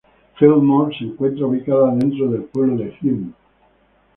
Fillmore se encuentra ubicada dentro del pueblo de Hume.